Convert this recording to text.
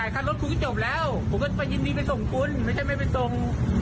คุณคุยผมให้คุณบอกความคุณไม่บอกเอง